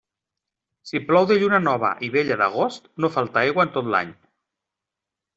Si plou de lluna nova i vella d'agost, no falta aigua en tot l'any.